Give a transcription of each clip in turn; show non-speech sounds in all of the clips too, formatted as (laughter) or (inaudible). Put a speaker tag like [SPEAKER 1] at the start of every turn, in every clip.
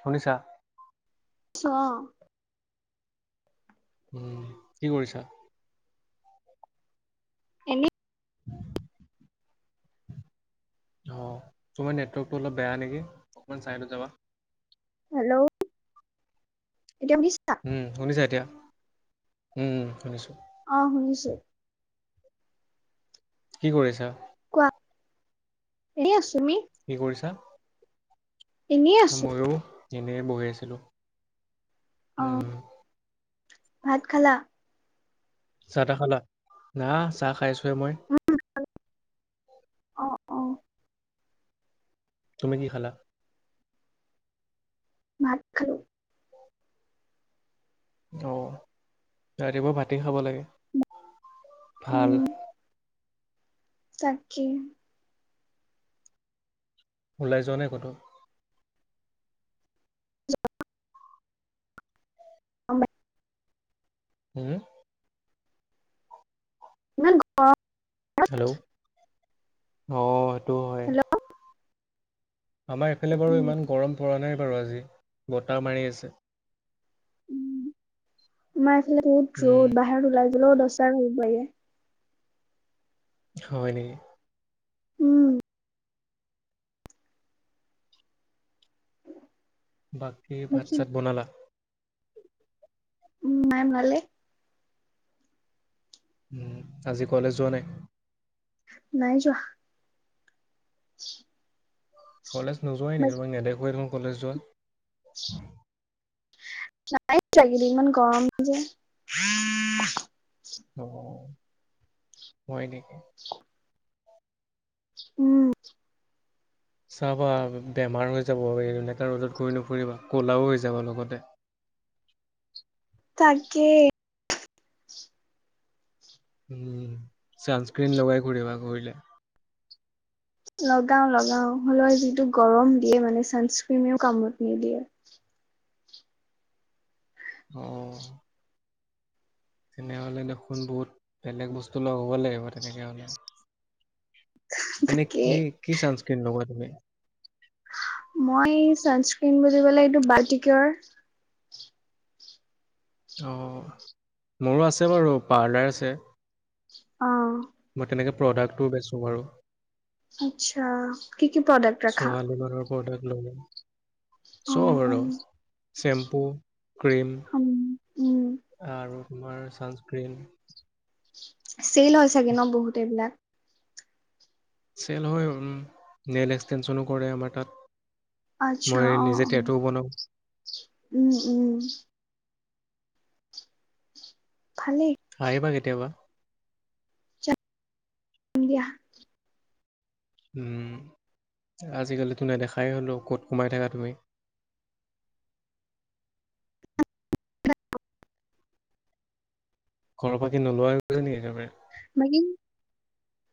[SPEAKER 1] শুনিছা
[SPEAKER 2] অ
[SPEAKER 1] উম কি কৰিছা?
[SPEAKER 2] এনে
[SPEAKER 1] (unintelligible) অ তোমাৰ নেটৱৰ্কটো অলপ বেয়া নেকি অকমান চাইডত যাবা।
[SPEAKER 2] হেল্ল' এতিয়া শুনিছা
[SPEAKER 1] উম শুনিছা এতিয়া উম উম শুনিছো
[SPEAKER 2] অ শুনিছো
[SPEAKER 1] কি কৰিছা
[SPEAKER 2] কোৱা এনেই আছোঁ তুমি
[SPEAKER 1] কি কৰিছা
[SPEAKER 2] এনেই আছো
[SPEAKER 1] ময়ো এনেই বহি আছিলোঁ
[SPEAKER 2] অ ভাত খালা
[SPEAKER 1] চাহ তাহ খালা না চাহ খাইছোহে মই
[SPEAKER 2] উম অ অ
[SPEAKER 1] তুমি কি খালা
[SPEAKER 2] ভাত খালোঁ
[SPEAKER 1] অ ৰাতিপুৱা ভাতেই খাব লাগে ভাল
[SPEAKER 2] তাকেই
[SPEAKER 1] ওলাই যোৱা নাই ক'তো
[SPEAKER 2] অ
[SPEAKER 1] হম
[SPEAKER 2] ইমান গৰম
[SPEAKER 1] হেল্ল' অঁ সেইটো হয়।
[SPEAKER 2] হেল্ল'
[SPEAKER 1] আমাৰ এফালে বাৰু
[SPEAKER 2] উম
[SPEAKER 1] ইমান গৰম পৰা নাই বাৰু আজি বতাহ মাৰি আছে
[SPEAKER 2] আমাৰফালে ৰত
[SPEAKER 1] উম,
[SPEAKER 2] ৰ'দ বাহিৰত ওলাই গলেও দহটাৰ ' পাগে (unintelligible)
[SPEAKER 1] হয় নেকি।
[SPEAKER 2] উম।
[SPEAKER 1] বাকী ভাত চাত বনালা।
[SPEAKER 2] উম মাঁ ভাল নে।
[SPEAKER 1] উ আজি কলেজ যোৱা নাই।
[SPEAKER 2] নাই যোৱা। (inaudible)
[SPEAKER 1] কলেজ নোযোৱাই নেকি
[SPEAKER 2] বাকী
[SPEAKER 1] তোমাক নেদেখুৱাই দেখোন কলেজ যোৱা।
[SPEAKER 2] (inaudible) নাই লাগিলে ইমান গৰম যে।
[SPEAKER 1] অঁ হয় নেকি!
[SPEAKER 2] উম।
[SPEAKER 1] চাবা বেমাৰ হৈ যাব এনেকুৱা ৰ'দত ঘূৰি নু ফুৰিবা ক'লাও হৈ যাব লগতে। (inaudible)
[SPEAKER 2] তাকে
[SPEAKER 1] উম চানস্ক্ৰিন লগাই ঘূৰিবা ঘূৰিলে। (unintelligible)
[SPEAKER 2] লগাওঁ লগাওঁ হলৌ যিটো গৰম দিয়ে মানে ছানস্ক্ৰীমেও কামত নিদিয়ে। (unintelligible)
[SPEAKER 1] অঁ। তেনেহলে দেখোন বহুত বেলেগ বস্তু লগ হ'ব লাগিব তেনেকে হলে। (unintelligible) এনে
[SPEAKER 2] তাকে
[SPEAKER 1] কি কি ছানস্ক্ৰিন ল'বা তুমি (unintelligible)
[SPEAKER 2] বাল্টি কিয়ৰ (unintelligible)
[SPEAKER 1] অঁ মোৰো আছে বাৰু পাৰ্লাৰ আছে
[SPEAKER 2] অঁ
[SPEAKER 1] মই তেনেকে প্ৰডাক্টটো বেচোঁ বাৰু
[SPEAKER 2] আচ্ছা কি কি প্ৰডাক্ট ৰাখা
[SPEAKER 1] ছোৱালী মানুহৰ প্ৰডাক্ট
[SPEAKER 2] অ
[SPEAKER 1] চব
[SPEAKER 2] অ
[SPEAKER 1] আৰু শেম্পু ক্ৰীম
[SPEAKER 2] উম উম
[SPEAKER 1] আৰু তোমাৰ ছানস্ক্ৰীণ
[SPEAKER 2] চেইল হয় চাগে ন বহুত এইবিলাক
[SPEAKER 1] চেল হয় উ নল এক্সটেনচনো কৰে আমাৰ তাত
[SPEAKER 2] আচ্ছা
[SPEAKER 1] মই
[SPEAKER 2] অ অ
[SPEAKER 1] নিজে টেটোও বনাওঁ (unintelligible)
[SPEAKER 2] উম উম ভালেই
[SPEAKER 1] আহিবা কেতিয়াবা
[SPEAKER 2] দিয়া
[SPEAKER 1] উ আজিকালিতো নেদেখাই হ'লো ক'ত কমাই থাকা তুমি (unintelligible) (inaudible) ঘৰৰ পাতি নোলোৱা নি একেবাৰে
[SPEAKER 2] ম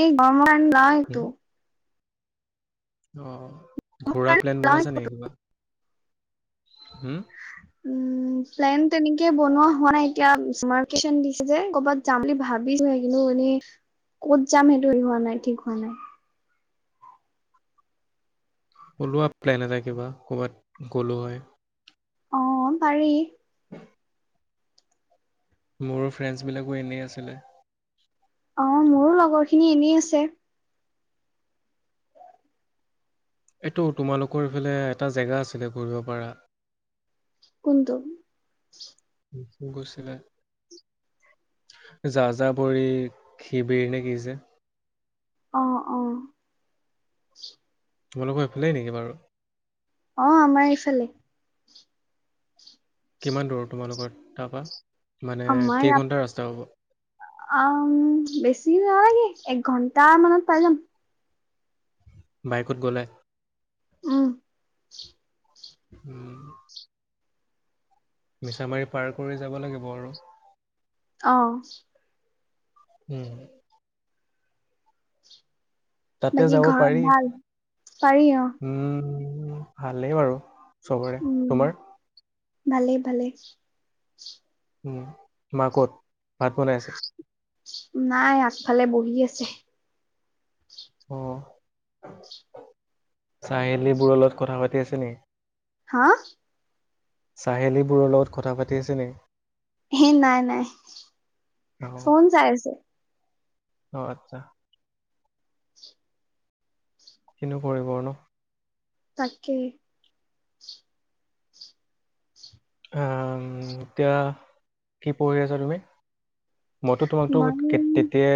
[SPEAKER 2] এই ব্ৰ নয় তো (unintelligible)
[SPEAKER 1] অঁ ঘোৰা প্লেন বনাইছা নেকি কিবা হুম?
[SPEAKER 2] উম প্ৰেলেইন তেনেকি (unintelligible) বনোৱা হোৱাই এতিয়া তমাৰ দিছে যে কৰ'বাত যাম বুলি ভাবিছো কিন্তু এনেই ক'ত যাম সেইটো এই হোৱা নাই ঠিক হোৱা নাই
[SPEAKER 1] ওলোৱা প্লেন এটা কিবা ক'বাত গ'লো হয়
[SPEAKER 2] অঁ পাৰি
[SPEAKER 1] মোৰ ফ্ৰেণ্ডছবিলাকো এনেই আছিলে
[SPEAKER 2] অঁ মোৰো লগৰ খিনি এনেই আছে
[SPEAKER 1] এইটো তোমালোকৰ ইফালে এটা জেগা আছিলে ঘূৰিব পাৰা
[SPEAKER 2] কোনটো
[SPEAKER 1] গৈছিলে যা যা বৰি শিবিৰ নে কি যে
[SPEAKER 2] অ অ
[SPEAKER 1] তোমালোকৰ এইফালেই নেকি বাৰু
[SPEAKER 2] অ আমাৰ এইফালে
[SPEAKER 1] কিমান দূৰ তোমালোকৰ তাপা
[SPEAKER 2] আমৰ ইয়া আ বেছি নালাগে এক ঘন্টা মানত পাই যাম
[SPEAKER 1] বাইকত গ'লে
[SPEAKER 2] উম
[SPEAKER 1] উম মিছামাৰী পাৰ কৰি যাব লাগিব আৰু
[SPEAKER 2] অ
[SPEAKER 1] উম তাতে
[SPEAKER 2] বাকী
[SPEAKER 1] যাব
[SPEAKER 2] ঘৰত
[SPEAKER 1] পাৰি
[SPEAKER 2] ভাল পাৰি অ
[SPEAKER 1] উম উ ভালেই বাৰু চবৰে
[SPEAKER 2] উম
[SPEAKER 1] তোমাৰ
[SPEAKER 2] ভালেই ভালে
[SPEAKER 1] মা কত ভাত বনাইছে (unintelligible)
[SPEAKER 2] নাই আগফালে বহি আছে
[SPEAKER 1] অ চাহেলী বোৰৰ লগত কথা পাতি আছে নেকি
[SPEAKER 2] হা
[SPEAKER 1] চাহেলীবোৰৰ লগত কথা পাতি আছে নি
[SPEAKER 2] হে নাই নাই
[SPEAKER 1] অ
[SPEAKER 2] ফোন চাই আছে
[SPEAKER 1] অ আচ্ছা কিনো কৰিব ন
[SPEAKER 2] তাকে
[SPEAKER 1] উ এতিয়া কি পঢ়ি আছা তুমি মইতো তোমাকতো
[SPEAKER 2] মই
[SPEAKER 1] তেতিয়া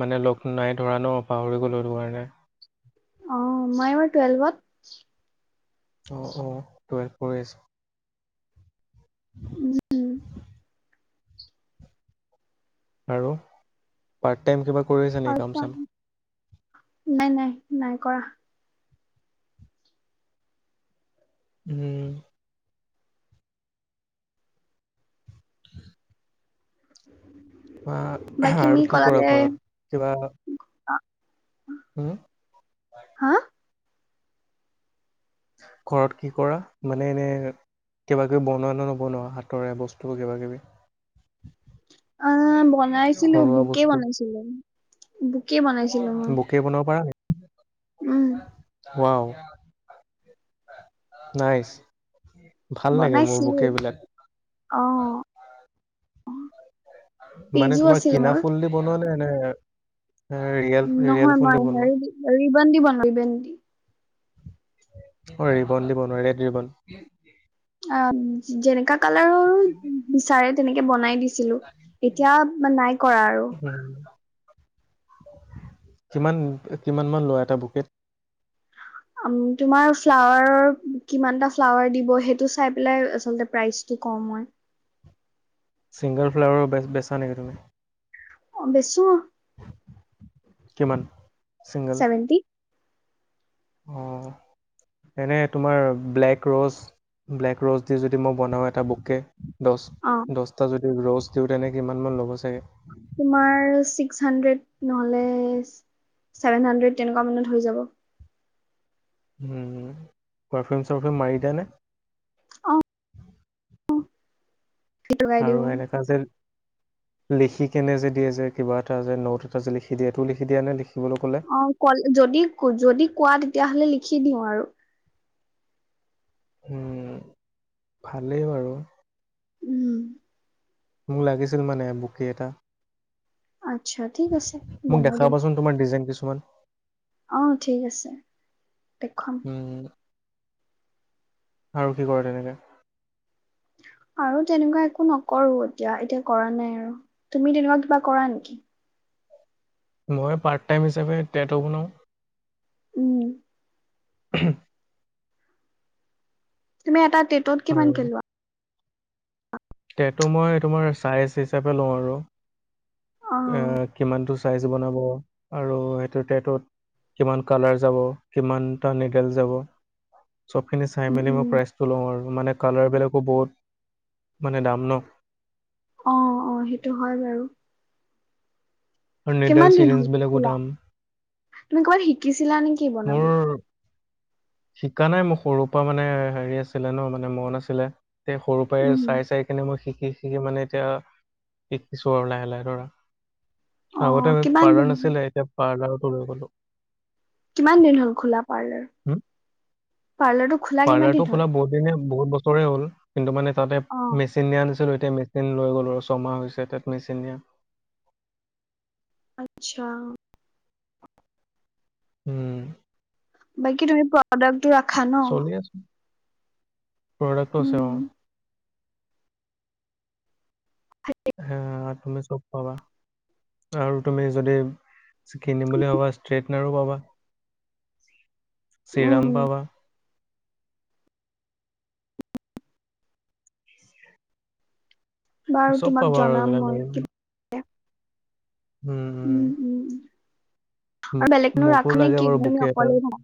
[SPEAKER 1] মানে লগ নাই ধৰা নো পাহৰি গ'লো সেইটোকাৰণে
[SPEAKER 2] অ মই এইবাৰ টুৱেলভত
[SPEAKER 1] অ অ টুৱেলভ পঢ়ি আছা
[SPEAKER 2] উম
[SPEAKER 1] আৰু পাৰ্ত টাইম কিবা কৰি আছা নেকি কাম চাম?
[SPEAKER 2] নাই নাই নাই কৰা
[SPEAKER 1] উম (inaudible) বা
[SPEAKER 2] বাকী তুমি
[SPEAKER 1] আৰু কি
[SPEAKER 2] ক'লা
[SPEAKER 1] কৰা
[SPEAKER 2] যে
[SPEAKER 1] ঘৰত কিবা হম
[SPEAKER 2] হা
[SPEAKER 1] ঘৰত কি কৰা মানে এনে কিবাকিবি বনোৱা নে নবনোৱা হাতৰে বস্তু কিবা কিবি
[SPEAKER 2] অ বনাইছিলো
[SPEAKER 1] ঘৰুৱা
[SPEAKER 2] বুকে
[SPEAKER 1] বস্তু
[SPEAKER 2] বনাইছিলো বুকে বনাইছিলো মই
[SPEAKER 1] বুকে বনাব
[SPEAKER 2] উম
[SPEAKER 1] (unintelligible) ৱাও নাইচ ভাল লাগে মোৰ
[SPEAKER 2] বনাইছিলো
[SPEAKER 1] বোকে বিলাক
[SPEAKER 2] অ
[SPEAKER 1] মানে
[SPEAKER 2] পেজো
[SPEAKER 1] তোমাৰ
[SPEAKER 2] আছিল
[SPEAKER 1] কিনা
[SPEAKER 2] মোৰ
[SPEAKER 1] ফুল দি বনোৱা নে নে ৰিয়েল ৰিয়েল
[SPEAKER 2] নহয়
[SPEAKER 1] ফুল দি
[SPEAKER 2] মই
[SPEAKER 1] বনোৱা?
[SPEAKER 2] হেৰি ৰিবন দি বনাও ৰিবন দি
[SPEAKER 1] অ ৰিবন দি বনোৱা ৰেড ৰিবন
[SPEAKER 2] অ যেনেকা কালাৰৰো বিচাৰে তেনেকে বনাই দি ছিলো এতিয়া মা নাই কৰা আৰু
[SPEAKER 1] কি কিমানমান লোৱা এটা বুকেট
[SPEAKER 2] তোমাৰ ফ্লাৱাৰৰ কিমানটা ফ্লাৱাৰ দিব সেইটো চাই পেলাই আচলতে প্ৰাইজটো কও মই
[SPEAKER 1] ছিংগল ফ্লাৱাৰৰ বেচ বেচা নেকি তুমি
[SPEAKER 2] অ বেছো
[SPEAKER 1] কিমান চিংগল
[SPEAKER 2] ছেভেন্টি
[SPEAKER 1] অ এনে তোমাৰ ব্লেক ৰ'জ ব্লেক ৰ'জ দি যদি মই বনাও এটা বুকে দহ
[SPEAKER 2] অ
[SPEAKER 1] দহটা যদি ৰজ দিও তেনে কিমান মান ল'ব চাগে
[SPEAKER 2] তোমাৰ ছিক্স হানড্ৰেড নহলে ছেভেন হাড্ৰেড তেনেকোৱা মানত হৈ যাব
[SPEAKER 1] উ হম পাৰফিউম চাৰফিউম মাৰি দেনে
[SPEAKER 2] অ সেইটো লগাই
[SPEAKER 1] আৰু
[SPEAKER 2] দিওঁ
[SPEAKER 1] এনেকা যে লিখি কেনে যে দিয়ে যে কিবা এটা যে নট এটা যে লিখি দিয়ে সেটো লিখি দিয়া নে লিখি
[SPEAKER 2] অ ক যদি যদি কোৱা তেতিয়াহলে লিখি দিও আৰু
[SPEAKER 1] উম ভালেই বাৰু
[SPEAKER 2] উম
[SPEAKER 1] মোক লাগিছিল মানে বোকে এটা
[SPEAKER 2] আচ্ছা ঠিক আছে
[SPEAKER 1] মোক
[SPEAKER 2] বনাই দিম
[SPEAKER 1] দেখাবাচোন তোমাৰ ডিজাইন কিছুমান
[SPEAKER 2] অ ঠিক আছে দেখুৱাম
[SPEAKER 1] উম আৰু কি কৰে তেনেকে
[SPEAKER 2] আৰু তেনেকোৱা একো নকৰো এতিয়া এতিয়া কৰা নাই আৰু তুমি তেনেকোৱা কিবা কৰা নেকি
[SPEAKER 1] মই পাৰ্ট টাইম হিচাপে টেটো বনাওঁ
[SPEAKER 2] উম
[SPEAKER 1] (unintelligible)
[SPEAKER 2] তুমি এটা টেটোত
[SPEAKER 1] আৰু
[SPEAKER 2] কিমানকে লোৱা
[SPEAKER 1] সেইটো মই তোমাৰ চাইজ হিচাপে লওঁ আৰু
[SPEAKER 2] অ
[SPEAKER 1] এ কিমানটো চাইজ বনাব আৰু সেইটো টেটোত কিমান কালাৰ যাব কিমানটা নিডেল যাব চবখিনি চাই
[SPEAKER 2] উম
[SPEAKER 1] মেলি মই
[SPEAKER 2] উম
[SPEAKER 1] প্ৰাইজটো লও আৰু মানে কালাৰবিলাকো বহুত মানে দাম ন
[SPEAKER 2] অ অ সেইটো হয় বাৰু
[SPEAKER 1] আৰু নিডেল
[SPEAKER 2] কিমান দিন হল
[SPEAKER 1] চিৰিঞ্জবিলাকো
[SPEAKER 2] খোলা
[SPEAKER 1] দাম।
[SPEAKER 2] তুমি ক'বাত শিকিছিলা নেকি
[SPEAKER 1] মোৰ
[SPEAKER 2] বনাবলৈ
[SPEAKER 1] শিকা নাই মোৰ সৰুৰ পৰা মানে হেৰি আছিলে ন মানে মন আছিলে তে সৰুৰ পৰাই
[SPEAKER 2] উম
[SPEAKER 1] চাই চাই কেনে মই শিক শিকি - শিকি মানে এতিয়া শিকিছো আৰু লাহে - লাহে ধৰা।
[SPEAKER 2] অ
[SPEAKER 1] আগতে আ
[SPEAKER 2] কিমান দিন
[SPEAKER 1] পাৰ্লাৰ নাছিলে এতিয়া পাৰ্লাৰতো ৰৈ গলো।
[SPEAKER 2] কিমান দিন হ'ল খোলা
[SPEAKER 1] হু?
[SPEAKER 2] পাৰ্লাৰ-পাৰ্লাৰটো খোলা কিমান
[SPEAKER 1] পাৰ্লাৰটো
[SPEAKER 2] দিন
[SPEAKER 1] খোলা
[SPEAKER 2] হ'ল।
[SPEAKER 1] বহুত দিনে বহুত বছৰে হ'ল কিন্তু মানে তাতে
[SPEAKER 2] অ
[SPEAKER 1] মেচিনিয়া আনিছিলো। ততে মেচিন লৈ গ'লো আৰু ছমাহ হৈছে তাত মেচিন দিয়া।
[SPEAKER 2] আচ্ছা।
[SPEAKER 1] উম
[SPEAKER 2] বাকী তুমি প্ৰডাক্টটো ৰাখা ন।
[SPEAKER 1] প্ৰডাকট আছে অ,
[SPEAKER 2] উম
[SPEAKER 1] হ আৰু তমি চব পাবা। আৰু তুমি যদি কিনিম বুলি ভাবা ষ্ট্ৰেইটনাৰো পাবা। চিৰাম
[SPEAKER 2] উম
[SPEAKER 1] পাবা।
[SPEAKER 2] বাৰু
[SPEAKER 1] চব
[SPEAKER 2] তোমাক
[SPEAKER 1] পাবা আৰু
[SPEAKER 2] জনাম
[SPEAKER 1] এইবিলাক
[SPEAKER 2] মই কিবা
[SPEAKER 1] উম - উম।
[SPEAKER 2] আৰু
[SPEAKER 1] মোক
[SPEAKER 2] বেলেগ মানুহ
[SPEAKER 1] মোকো
[SPEAKER 2] ৰাখা
[SPEAKER 1] লাগে
[SPEAKER 2] নেকি? তুমি অকলেই থাকা?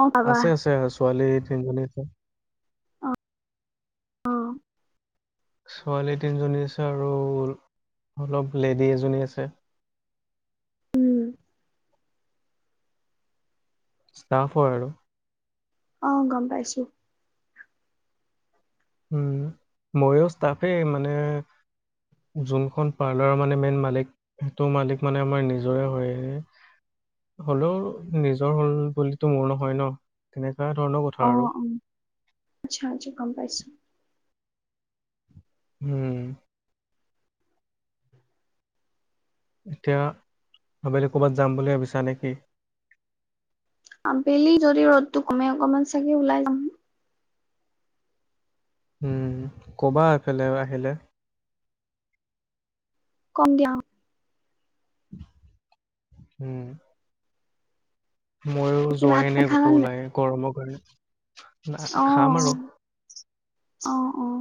[SPEAKER 2] অ পাবা
[SPEAKER 1] আছে-আছে অ, ছোৱালী তিনজনী আছে।
[SPEAKER 2] অ অ
[SPEAKER 1] ছোৱালী তিনিজনী আছে আৰু অলপ লেডী এজনী আছে। (inaudible)
[SPEAKER 2] উম
[SPEAKER 1] ষ্টাফ হ'য় আৰু।
[SPEAKER 2] অ, গম পাইছো।
[SPEAKER 1] উম, ময়ো ষ্টাফেই মানে যোনখন পাৰ্লাৰ মানে, মেইন মালিক সেইটো মালিক মানে, আমাৰ নিজৰে হ'য়। হ'লো, নিজৰ হ'ল বুলিতো মোৰ নহয় ন'। তেনে
[SPEAKER 2] অ, আচ্ছা আজি গম পাইছো।
[SPEAKER 1] উম এতিয়া, আবেলি ক'বাত যাম বুলি ভাৱিছা নেকি?
[SPEAKER 2] আবেলি যদি ৰ'দটো কমে, অকমান চাগে ওলাই যাম।
[SPEAKER 1] উম, কবা এইফালেও আহিলে।
[SPEAKER 2] কম দিয়া।
[SPEAKER 1] উম ময়ো,
[SPEAKER 2] বাকী ভাত
[SPEAKER 1] যোৱাই
[SPEAKER 2] পানী
[SPEAKER 1] নাই ক'তো ওলাই গৰমৰ পৰাই।
[SPEAKER 2] অ-অ-অ।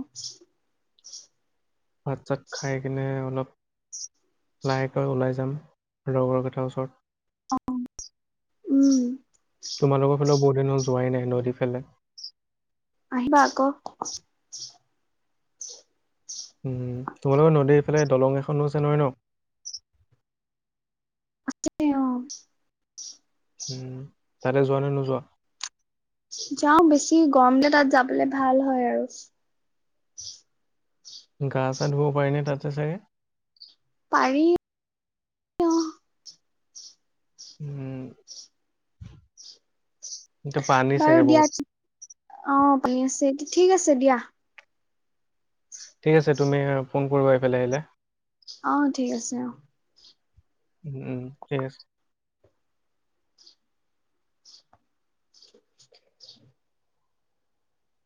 [SPEAKER 1] ভাত চাত খাইকিনে অলপ লাহেকৈ ওলাই যাম, লগৰ কেইটা ওচৰত।
[SPEAKER 2] অ, উম
[SPEAKER 1] পিনো যোৱাই নাই নদী ফালে।
[SPEAKER 2] আহিবা আক।
[SPEAKER 1] উম, তোমালোকৰ নদীৰ সেইফালে দলং এখনো আছে নহয় ন'?
[SPEAKER 2] আছে অ,
[SPEAKER 1] উম, তাতে যোৱা নে নোযোৱা?
[SPEAKER 2] যাও। বেছি গৰম যে তাত যাবলে ভাল হ'য় আৰু।
[SPEAKER 1] গা চা ধুব পাৰিনে তাত চা-চাগে?
[SPEAKER 2] পাৰি অ।
[SPEAKER 1] উম এতিয়া পানী
[SPEAKER 2] বাৰু
[SPEAKER 1] চাগে
[SPEAKER 2] দিয়া,
[SPEAKER 1] বহুত
[SPEAKER 2] অ, পানী আছে। ঠিক আছে দিয়া।
[SPEAKER 1] ঠিক আছে তুমি আ ফোন কৰিবা এইফালে আহিলে।
[SPEAKER 2] অ, ঠিক আছে অ,
[SPEAKER 1] উম, ঠিক আছে।